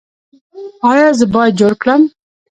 ایا زه باید جوړ کړم؟